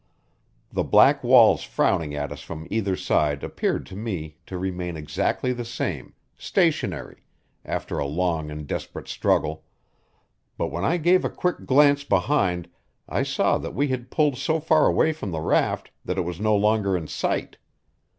The black walls frowning at us from either side appeared to me to remain exactly the same, stationary, after a long and desperate struggle; but when I gave a quick glance behind I saw that we had pulled so far away from the raft that it was no longer in sight.